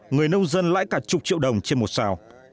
người nông dân lãi cả chục triệu đồng trên một xào